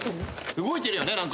動いてるよね何か。